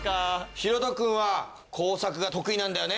ひろとくんは工作が得意なんだよね？